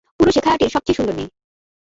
পুরো শেখায়াটি-র সবচেয়ে সুন্দর মেয়ে।